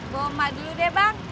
gue emak dulu deh bang